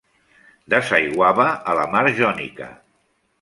Desaiguava a la mar Jònica.